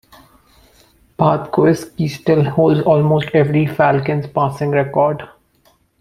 Bartkowski still holds almost every Falcons passing record.